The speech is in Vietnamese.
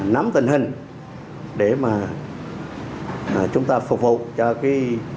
nắm tình hình để mà chúng ta phục vụ cho cái